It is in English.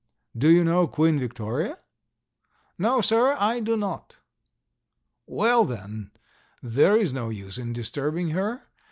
Do you know Queen Victoria?" "No, sir; I do not." "Well, then, there is no use in disturbing her.